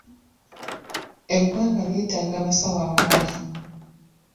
Eggwanga lyeetaaga abasawo abalala.